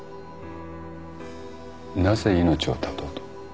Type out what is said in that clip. なぜ命を絶とうと？